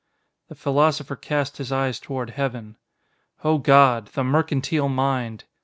"_ _The Philosopher cast his eyes toward Heaven. "O God! The Mercantile Mind!"